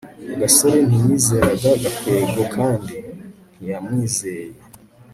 gasore ntiyizeraga gakwego kandi ntiyamwizeye